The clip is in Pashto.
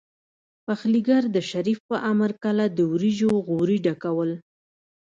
پخليګر د شريف په امر کله د وريجو غوري ډکول.